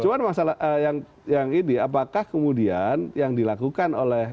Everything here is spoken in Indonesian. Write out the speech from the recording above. cuma masalah yang ini apakah kemudian yang dilakukan oleh